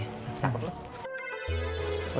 ya aku dulu